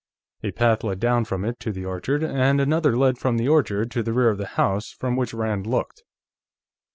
A path led down from it to the orchard, and another led from the orchard to the rear of the house from which Rand looked.